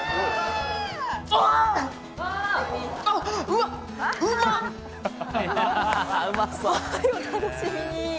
お楽しみに。